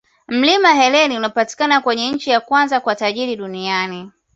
Mlima helen unapatikana kwenye nchi ya kwanza kwa tajiri duniani